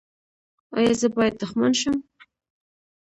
ایا زه باید دښمن شم؟